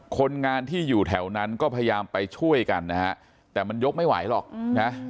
คนงานที่อยู่แถวนั้นก็พยายามไปช่วยกันนะฮะแต่มันยกไม่ไหวหรอกนะ